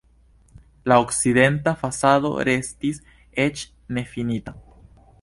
La okcidenta fasado restis eĉ nefinita.